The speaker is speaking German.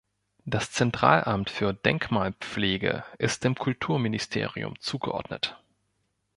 Das Zentralamt für Denkmalpflege ist dem Kulturministerium zugeordnet.